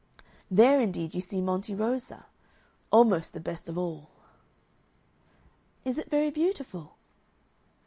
There indeed you see Monte Rosa. Almost the best of all." "Is it very beautiful?"